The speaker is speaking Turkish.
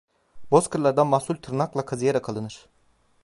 Bozkırlardan mahsul tırnakla kazıyarak alınır.